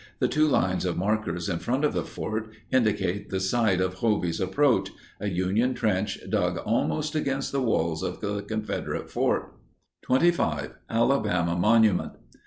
The two lines of markers in front of the fort indicate the site of "Hovey's Approach"—a Union trench dug almost against the walls of the Confederate fort. 25. ALABAMA MONUMENT.